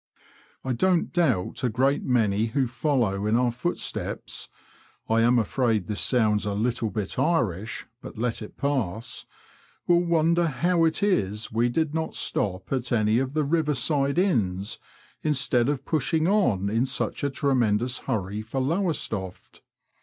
I don't doubt a great many who follow in our footsteps (I am afraid this sounds a little bit Irish — ^but let it pass) will wonder how it is we did not stop at any of the river side inns, instead of pushing on in such a tremendous hurry for Lowestoft.